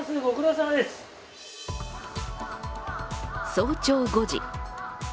早朝５時。